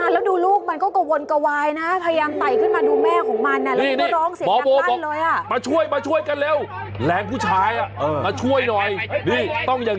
แล้วดูลูกมันก็กระวนกระวายนะพยายามไต่ขึ้นมาดูแม่ของมันแล้ว